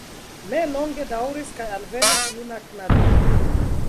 Ne longe daŭris kaj alvenis juna knabino.